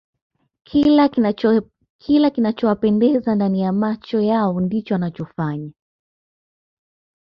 kila kinachowapendeza ndani ya macho yao ndicho wanachofanya